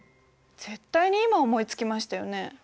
絶対に今思いつきましたよね？